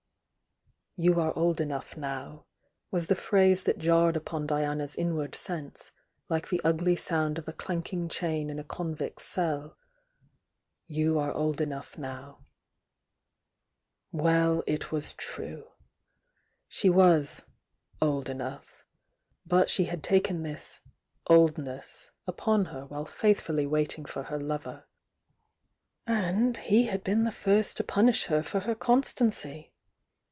'Tou are old enough now," was the phrase that jarred upon Diana's inward sense, like the ugly sound of a clanking chain in a convict's cell. "You are old enough now." Well, it was true!— she was THE YOUNG DIANA 28 "old enough,"— but she had taken this "oldness" upon her while faithfully waiting for her lover. And he had been the first to punish her for her con stancy!